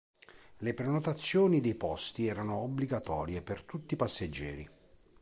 Le prenotazioni dei posti erano obbligatorie per tutti i passeggeri.